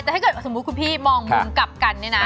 แต่ถ้าเกิดสมมุติคุณพี่มองมุมกลับกันเนี่ยนะ